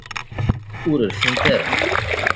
Ur rfint ara.